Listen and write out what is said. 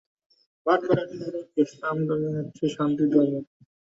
ইসলাম ধর্ম হচ্ছে শান্তির ধর্ম।